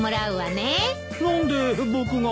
何で僕が。